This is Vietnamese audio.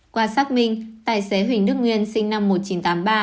qua xác minh tài xế huỳnh đức nguyên sinh năm một nghìn chín trăm tám mươi ba